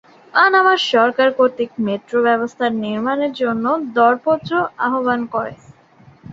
Panama সরকার কর্তৃক metro ব্যবস্থার নির্মাণের জন্য দরপত্র আহ্বান করে।